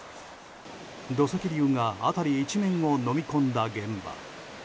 土石流が辺り一面をのみ込んだ現場。